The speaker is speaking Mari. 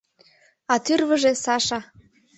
А тӱрвыжӧ «Саша»